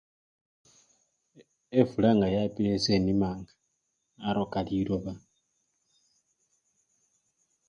Efula nga yapile esenimanga naroka liloba.